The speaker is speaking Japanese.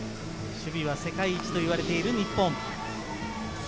守備は日本一と呼ばれている日本。